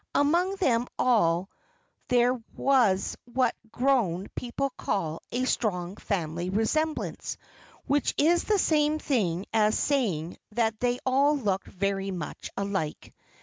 Among them all there was what grown people call "a strong family resemblance," which is the same thing as saying that they all looked very much alike.